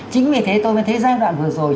chính vì thế tôi mới thấy giai đoạn vừa rồi